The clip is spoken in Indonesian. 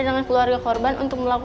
terus kita mau nuduh siapa